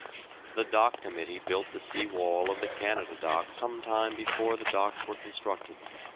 The Dock Committee built the sea wall of the Canada dock some time before the docks were constructed.